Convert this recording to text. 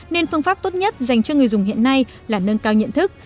nên phương pháp tốt nhất dành cho người dùng hiện nay là nâng cao nhận thức